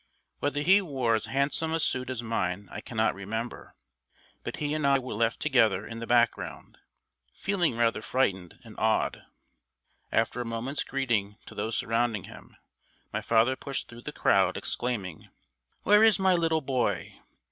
Whether he wore as handsome a suit as mine I cannot remember, but he and I were left together in the background, feeling rather frightened and awed. After a moment's greeting to those surrounding him, my father pushed through the crowd, exclaiming: "Where is my little boy?"